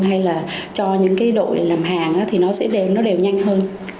hay là cho những cái đội làm hàng thì nó sẽ đem nó đều nhanh hơn